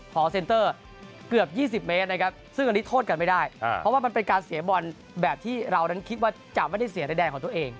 เซ็นเตอร์เกือบ๒๐เมตรนะครับซึ่งอันนี้โทษกันไม่ได้เพราะว่ามันเป็นการเสียบอลแบบที่เรานั้นคิดว่าจะไม่ได้เสียใดของตัวเอง